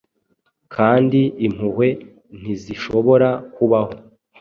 Kandi impuhwe ntizishobora kubaho,